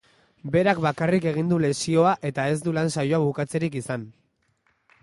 Berak bakarrik egin du lesioa eta ez du lan saioa bukatzerik izan.